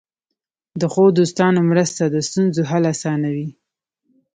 د ښو دوستانو مرسته د ستونزو حل اسانوي.